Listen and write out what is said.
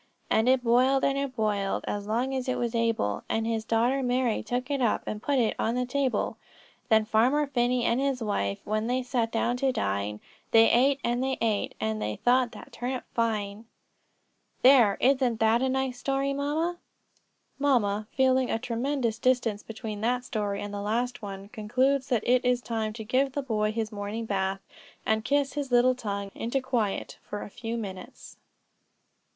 'And it boiled, and it boiled, As long as it was able; And his daughter Mary took it up, And put it on the table. 'Then Farmer Phinney and his wife, When they sat down to dine, They ate, and they ate, And they thought that turnip fine.'" "There, isn't that a nice story, mamma?" Mamma, feeling a tremendous distance between that story and the last one, concludes that it is time to give the boy his morning bath, and kiss his little tongue into quiet for a few minutes.